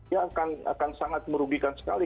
ya akan sangat merugikan sekali